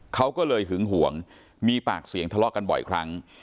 เขาก็เลยหึงห่วงมีปากเสียงทะเลาะกันบ่อยครั้ง